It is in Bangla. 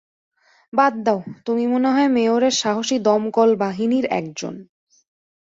বাদ দাও, তুমি মনে হয় মেয়রের সাহসী দমকল বাহিনীর একজন।